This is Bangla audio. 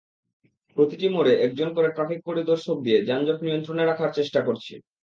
প্রতিটি মোড়ে একজন করে ট্রাফিক পরিদর্শক দিয়ে যানজট নিয়ন্ত্রণে রাখার চেষ্টা করছি।